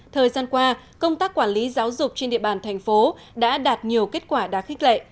thời gian qua công tác quản lý giáo dục trên địa bàn thành phố đã đạt nhiều kết quả đáng khích lệ